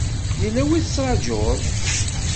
Yella wi tettrajuḍ?